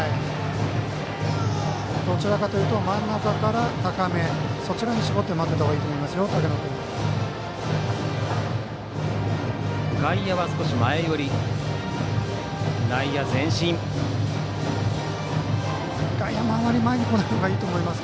どちらかというと真ん中から高め竹野君はそちらに絞って待っていたほうがいいと思います。